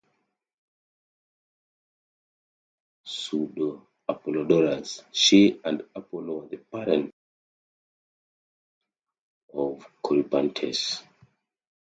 According to pseudo-Apollodorus, she and Apollo were the parents of the Corybantes.